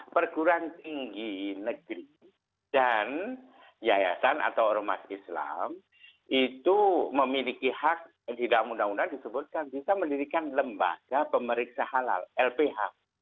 perguruan tinggi negeri dan yayasan atau ormas islam itu memiliki hak di dalam undang undang disebutkan bisa mendirikan lembaga pemeriksa halal lph